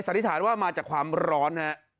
นิษฐานว่ามาจากความร้อนฮะ